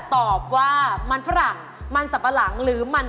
ตอบมันสะปะหลัง๑อัน